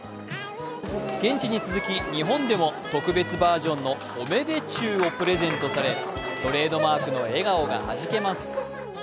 現地に続き、日本でも特別バージョンのオメデチュウがプレゼントされトレードマークの笑顔がはじけます。